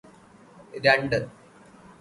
രണ്ട്